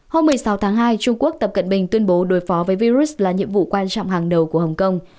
hôm một mươi sáu tháng hai trung quốc tập cận bình tuyên bố đối phó với virus là nhiệm vụ quan trọng hàng đầu của hồng kông